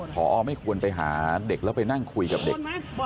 พอไม่ควรไปหาเด็กแล้วไปนั่งคุยกับเด็ก